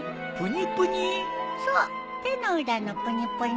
そう手の裏のプニプニ。